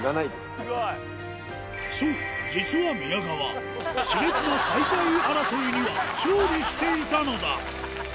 そう、実は宮川、しれつな最下位争いには勝利していたのだ。